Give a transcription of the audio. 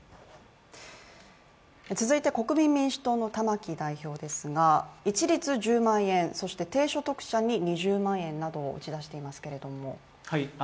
続いて国民民主党の玉木代表ですが、一律１０万円そして低所得者に２０万円などを打ち出していますけれども？